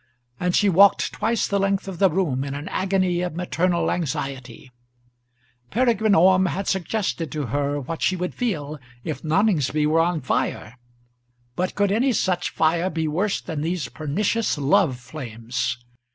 And she walked twice the length of the room in an agony of maternal anxiety. Peregrine Orme had suggested to her what she would feel if Noningsby were on fire; but could any such fire be worse than these pernicious love flames?